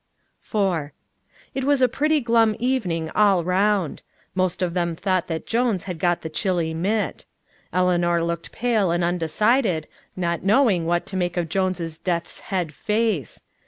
IV It was a pretty glum evening all round. Most of them thought that Jones had got the chilly mitt. Eleanor looked pale and undecided, not knowing what to make of Jones' death's head face.